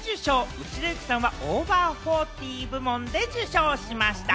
内田有紀さんはオーバーフォーティー部門で受賞しました。